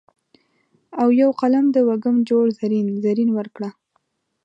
او یو قلم د وږم جوړ زرین، زرین ورکړه